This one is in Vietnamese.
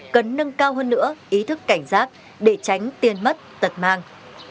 cần nâng cao hơn nữa ý thức cảnh giác để tránh tiền mất tật mang